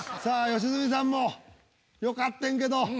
さあ吉住さんもよかってんけど。